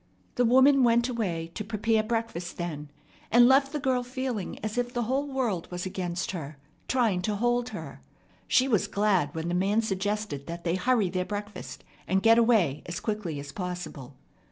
The woman went away to prepare breakfast then, and left the girl feeling as if the whole world was against her, trying to hold her. She was glad when the man suggested that they hurry their breakfast and get away as quickly as possible.